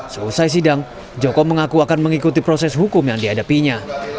selesai sidang joko mengaku akan mengikuti proses hukum yang dihadapinya